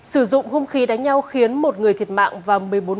sử dụng hôm khi đánh nhau khiến một người thiệt mạng và một mươi bốn đối tượng